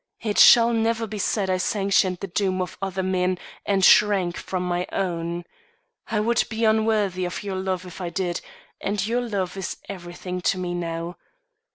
It shall never be said I sanctioned the doom of other men and shrank from my own. I would be unworthy of your love if I did, and your love is everything to me now."